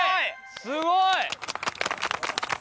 すごい！